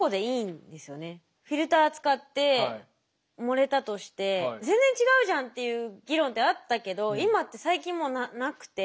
フィルター使って盛れたとして全然違うじゃんっていう議論ってあったけど今って最近もうなくて。